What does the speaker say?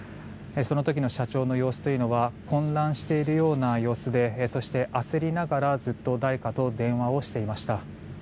その時の社長の様子というのは混乱しているような様子でそして、焦りながら、ずっと誰かと電話をしていました。